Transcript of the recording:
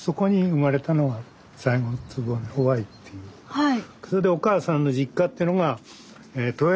はい。